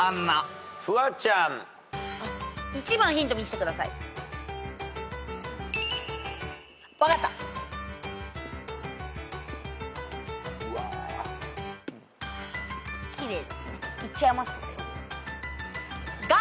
いっちゃいます。